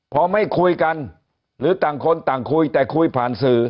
พอไม่คุยกันหรือต่างคนต่างคุยแต่คุยผ่านสื่อ